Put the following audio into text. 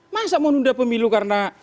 masa mau nunda pemilu karena